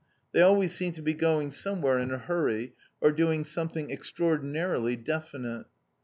They always seemed to be going somewhere in a hurry, or doing something extraordinarily definite.